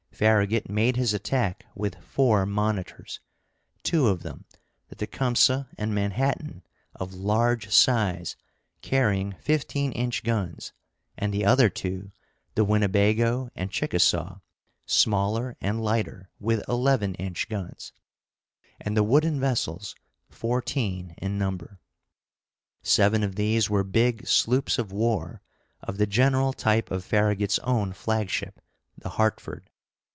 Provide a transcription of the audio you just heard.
Farragut made his attack with four monitors, two of them, the Tecumseh and Manhattan, of large size, carrying 15 inch guns, and the other two, the Winnebago and Chickasaw, smaller and lighter, with 11 inch guns, and the wooden vessels, fourteen in number. Seven of these were big sloops of war, of the general type of Farragut's own flagship, the Hartford.